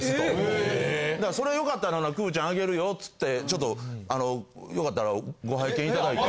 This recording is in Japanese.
だからそれよかったらくーちゃんあげるよつってちょっとよかったらご拝見いただいて。